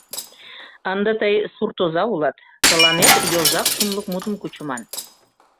Ынде тый суртоза улат, тыланет йозак шумлык мутым кучыман.